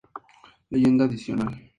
Leyenda adicional